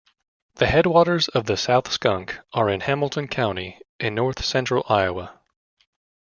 The headwaters of the South Skunk are in Hamilton County in north central Iowa.